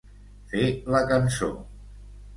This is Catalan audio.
Fer la cançó.